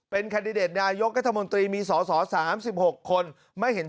เป็นคันดิเดตนายยกกระธมนตรีมีสสสามสิบหกคนไม่เห็น